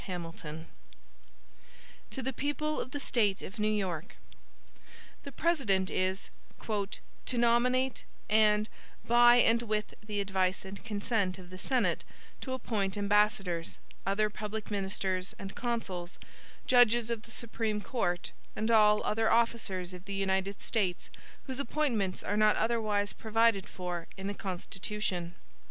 HAMILTON To the People of the State of New York: THE President is "to nominate, and, by and with the advice and consent of the Senate, to appoint ambassadors, other public ministers and consuls, judges of the Supreme Court, and all other officers of the United States whose appointments are not otherwise provided for in the Constitution.